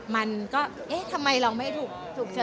มันก็เอ๊ะทำไมเราไม่ถูกเชิญ